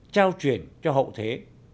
trao chuyển cho hậu thế